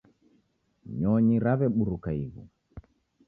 Nyonyi raweburuka ighu.